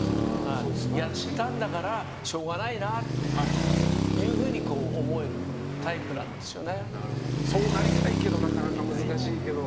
やったんだからしょうがないなっていうふうにそうなりたいけどなかなか難しいけど。